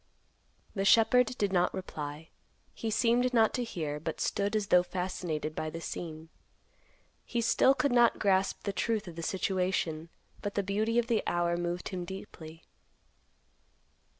The shepherd did not reply. He seemed not to hear, but stood as though fascinated by the scene. He still could not grasp the truth of the situation, but the beauty of the hour moved him deeply.